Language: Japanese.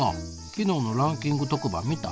昨日のランキング特番見た？